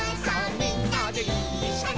みんなでいっしょに」